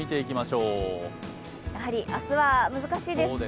やはり明日は難しいです。